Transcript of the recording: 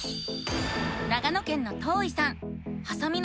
長野県のとういさん。